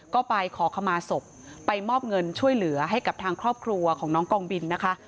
ก็ไปขอขมาศพไปมอบเงินช่วยเหลือให้กับทางครอบครัวของน้องกองบินนะคะ